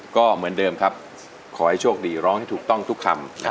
ก็เหมือนเดิมครับขอให้โชคดีร้องให้ถูกต้องทุกคำ